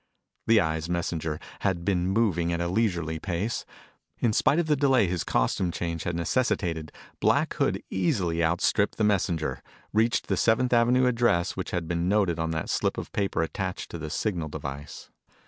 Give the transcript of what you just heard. The Eye's messenger had been moving at a leisurely pace. In spite of the delay his costume change had necessitated, Black Hood easily outstripped the messenger, reached the Seventh Avenue address which had been noted on that slip of paper attached to the signal device.